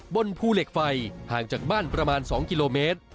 บนภูเหล็กไฟห่างจากบ้านประมาณ๒กิโลเมตร